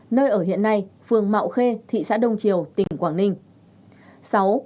nơi ở hiện nay phường mạo khê thị xã đông triều tp hcm